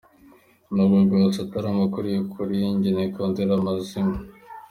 "Nubwo bwose atari amakuru y'ukuri, jye nikundira amazimwe".